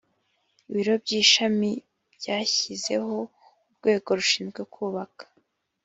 ibiro by ishami byashyizeho urwego rushinzwe kubaka